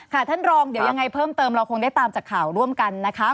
ท่านรองเดี๋ยวยังไงเพิ่มเติมเราคงได้ตามจากข่าวร่วมกันนะคะ